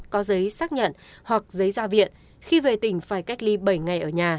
có giấy xác nhận hoặc giấy ra viện khi về tỉnh phải cách ly bảy ngày ở nhà